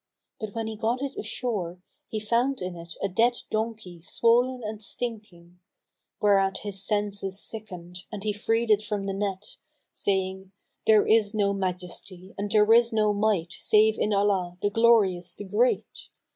But when he got it ashore, he found in it a dead donkey swollen and stinking; whereat his senses sickened and he freed it from the net, saying, "There is no Majesty and there is no Might save in Allah, the Glorious, the Great!